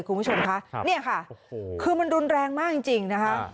คุณผู้ชมคะเนี่ยค่ะคือมันรุนแรงมากจริงนะคะ